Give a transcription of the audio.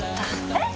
えっ！！